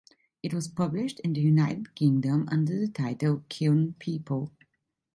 It was published in the United Kingdom under the title "Kil'n People".